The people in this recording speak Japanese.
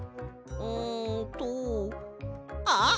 んとあっ！